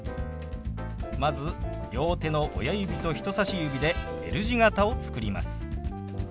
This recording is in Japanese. まず両手の親指と人さし指でＬ字形を作ります。